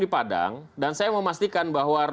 apa yang kita lakukan